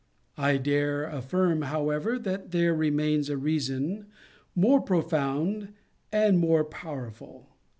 I dare affirm, how ever, that there remains a reason more pro found and more powerful.